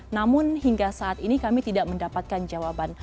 namun hingga saat ini kami tidak mendapatkan jawaban